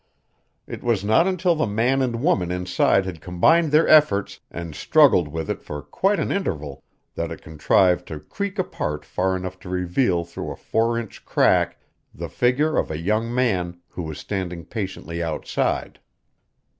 It was not until the man and woman inside had combined their efforts and struggled with it for quite an interval that it contrived to creak apart far enough to reveal through a four inch crack the figure of a young man who was standing patiently outside.